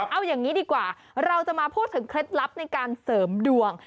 เอาอย่างนี้ดีกว่าเราจะมาพูดถึงเคล็ดลับในการเสริมดวง